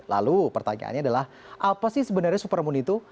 lalu pertanyaannya adalah apa sih sebenarnya supermoon itu